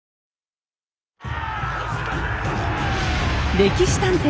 「歴史探偵」